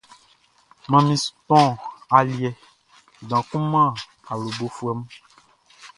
Manmi su tɔn aliɛ dan kun man awlobofuɛ mun.